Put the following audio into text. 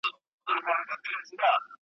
یو له بله به په جار او په قربان وه `